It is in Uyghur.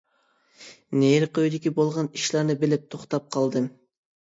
نېرىقى ئۆيدىكى بولغان ئىشلارنى بىلىپ توختاپ قالدىم.